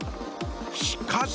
しかし。